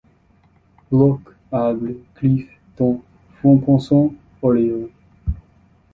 Blocs, arbres, griffes, dents, fronts pensants, auréoles ;